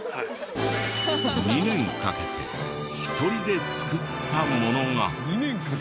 ２年かけて１人で作ったものが。